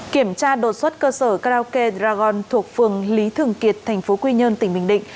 kiểm tra đột xuất cơ sở karaoke dragon thuộc phường lý thường kiệt thành phố quy nhơn tỉnh bình định